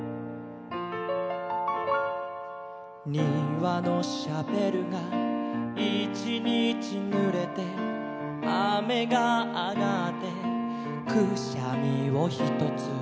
「庭のシャベルが一日ぬれて」「雨があがってくしゃみをひとつ」